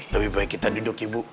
lebih baik kita duduk ibu